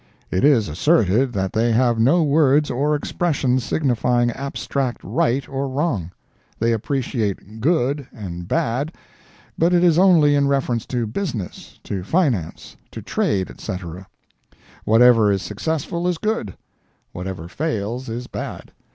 It is asserted that they have no words or expressions signifying abstract right or wrong. They appreciate "good" and "bad," but it is only in reference to business, to finance, to trade, etc. Whatever is successful is good; whatever fails is bad.